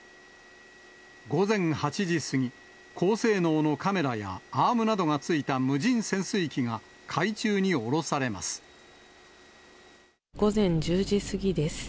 午前８時過ぎ、高性能のカメラやアームなどが付いた無人潜水機が、海中に下ろさ午前１０時過ぎです。